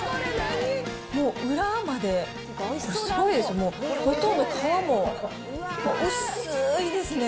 もう裏まですごいです、ほとんど皮も、薄ーいですね。